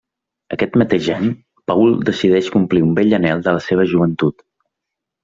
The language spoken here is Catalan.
Aquest mateix any, Paul decideix complir un vell anhel de la seva joventut.